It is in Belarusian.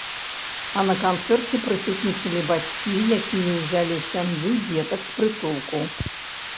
А на канцэрце прысутнічалі бацькі, якія ўзялі ў сям'ю дзетак з прытулку.